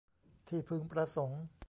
ที่พึงประสงค์